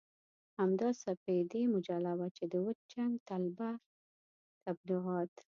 همدا سپېدې مجله وه چې د وچ جنګ طلبه تبليغات.